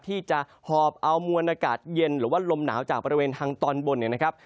ที่จะหอบเอามวลอากาศเย็นหรือว่าลมหนาวจากบริเวณทางตอนบนเนี่ยนะครับ